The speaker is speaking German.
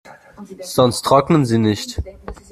Sonst trocknen sie nicht.